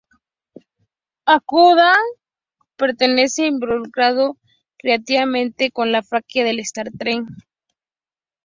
Okuda permanece involucrado creativamente con la franquicia de Star Trek.